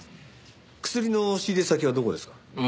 クスリの仕入れ先はどこですか？